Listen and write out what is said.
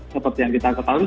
seperti yang kita ketahui